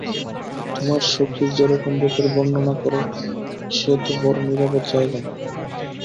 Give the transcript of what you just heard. তোমার সখীর যেরকম রূপের বর্ণনা কর, সে তো বড়ো নিরাপদ জায়গা নয়!